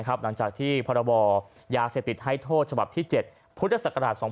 หลังจากที่พบยาเสพติดให้โทษฉ๗พศ๒๕๖๒